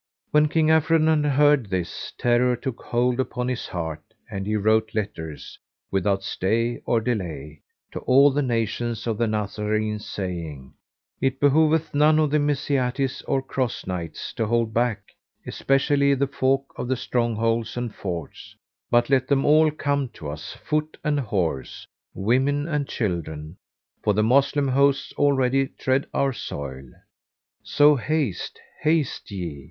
When King Afridun heard this, terror took hold upon his heart and he wrote letters, without stay or delay, to all the nations of the Nazarenes, saying, "It behoveth none of the Messiahites or Cross knights to hold back, especially the folk of the strongholds and forts: but let them all come to us, foot and horse, women and children, for the Moslem hosts already tread our soil. So haste! haste ye!